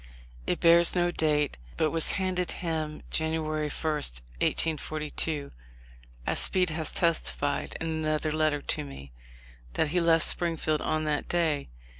It bears no date, but was handed him January 1, 1812, as Speed has testified, in another letter to me, that he left Springfield on that day.